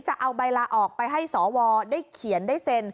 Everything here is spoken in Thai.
จะเอาใบลาออกไปให้สวได้เขียนได้เซ็น